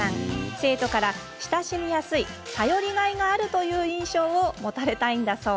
生徒から、親しみやすい頼りがいがあるという印象を持たれたいんだそう。